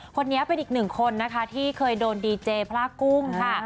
คนนี้เป็นอีกหนึ่งคนนะคะที่เคยโดนดีเจพระกุ้งค่ะ